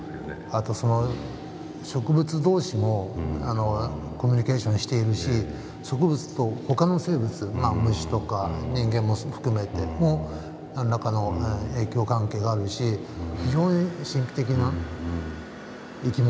あと植物同士もコミュニケーションしているし植物と他の生物虫とか人間も含めても何らかの影響関係があるし非常に神秘的な生き物ですよね。